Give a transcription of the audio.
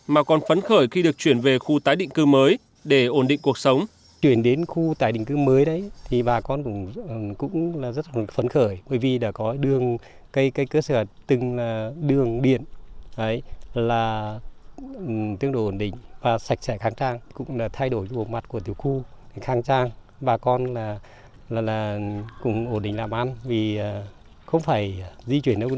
mà còn phấn khởi khi được chuyển về khu tái định cư mới để ổn định cuộc sống